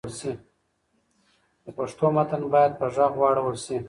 د پښتو متن باید په ږغ واړول شي.